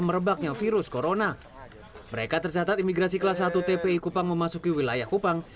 merebaknya virus corona mereka tersatat imigrasi kelas satu tpi kupang memasuki wilayah kupang